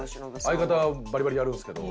相方はバリバリやるんですけど。